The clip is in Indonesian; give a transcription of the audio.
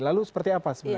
lalu seperti apa sebenarnya